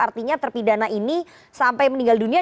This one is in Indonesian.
artinya terpidana ini sampai meninggal dunia